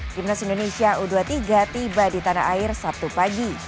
timnas indonesia u dua puluh tiga tiba di tanah air sabtu pagi